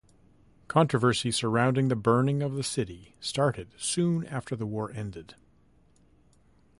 Controversy surrounding the burning of the city started soon after the war ended.